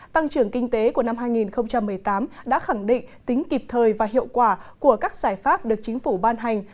tăng trưởng kinh tế của năm hai nghìn một mươi tám đã khẳng định tính kịp thời và hiệu quả của các giải pháp được chính phủ ban hành